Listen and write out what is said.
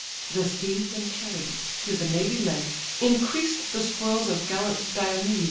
The steeds and chariot, to the navy led, Increased the spoils of gallant Diomed.